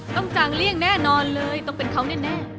จางเลี่ยงแน่นอนเลยต้องเป็นเขาแน่